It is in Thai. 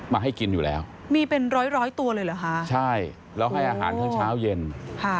มาให้กินอยู่แล้วมีเป็นร้อยร้อยตัวเลยเหรอคะใช่แล้วให้อาหารทั้งเช้าเย็นค่ะ